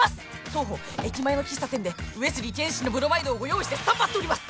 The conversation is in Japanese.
当方駅前の喫茶店で上杉謙信のブロマイドをご用意してスタンバっております！